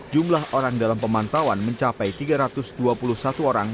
jumlah orang dalam pemantauan mencapai tiga ratus dua puluh satu orang